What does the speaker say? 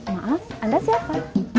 maaf anda siapa